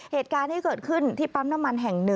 เหตุการณ์ที่เกิดขึ้นที่ปั๊มน้ำมันแห่ง๑